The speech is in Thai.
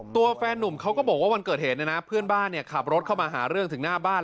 แฟนนุ่มเขาก็บอกว่าวันเกิดเหตุเนี่ยนะเพื่อนบ้านขับรถเข้ามาหาเรื่องถึงหน้าบ้าน